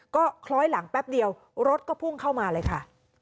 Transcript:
ก็คล้อยหลังแป๊บเดียวรถก็พุ่งเข้ามาเลยค่ะ